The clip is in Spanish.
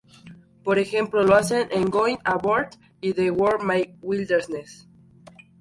Por ejemplo, lo hace en "Going Abroad" y "The World My Wilderness".